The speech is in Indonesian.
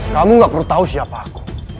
kamu gak perlu tahu siapa aku